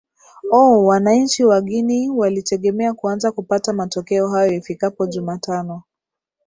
o wananchi wa guinea walitegemea kuanza kupata matokeo hayo ifikapo jumatano